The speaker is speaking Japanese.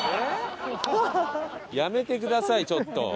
やめてくださいちょっと。